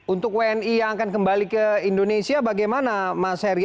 untuk wni yang akan kembali ke indonesia bagaimana mas heri